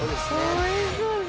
おいしそうです。